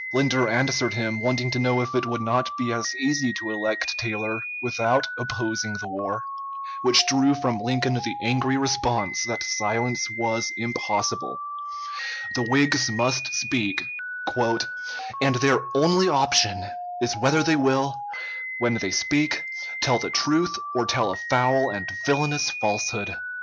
Linder answered him, wanting to know if it would not be as easy to elect Taylor without opposing the war, which drew from Lincoln the angry response that silence was impossible; the Whigs must speak, "and their only option is whether they will, when they speak, tell the truth or tell a foul and villainous falsehood."